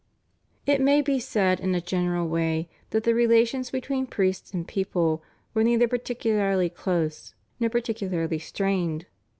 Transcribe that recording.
It may be said in a general way that the relations between priests and people were neither particularly close nor particularly strained.